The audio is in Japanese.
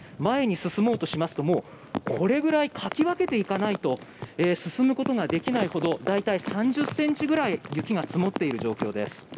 前に進もうとしますとかき分けていかないと進むことができないほど大体、３０ｃｍぐらい雪が積もっている状況です。